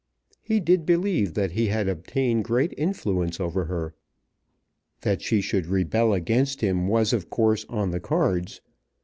He did believe that he had obtained great influence over her. That she should rebel against him was of course on the cards.